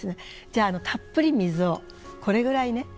じゃあたっぷり水をこれぐらいね